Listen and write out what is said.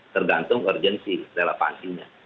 tergantung urgency relevansinya